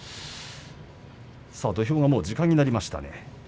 土俵がもう時間になりました。